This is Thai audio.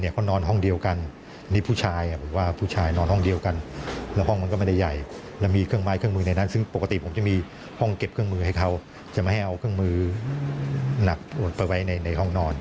ก็ทำให้ช่างแสงเนี่ยไม่พอใจ